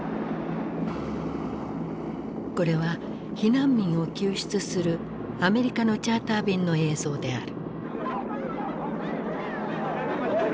これは避難民を救出するアメリカのチャーター便の映像である。